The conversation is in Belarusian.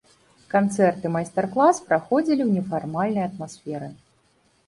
Канцэрт і майстар-клас праходзілі ў нефармальнай атмасферы.